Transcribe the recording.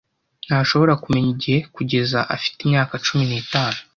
ntashobora kumenya igihe kugeza afite imyaka cumi n'itatu.